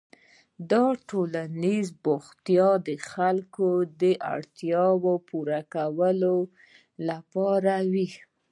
دا ټولنیز بوختیاوې د خلکو د اړتیاوو پوره کولو لپاره وې.